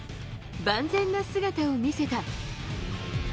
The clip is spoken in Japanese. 万全な姿を見せた。